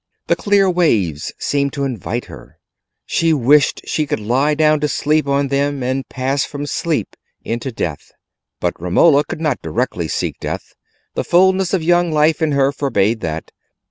The clear waves seemed to invite her: she wished she could lie down to sleep on them and pass from sleep into death. But Romola could not directly seek death; the fulness of young life in her forbade that.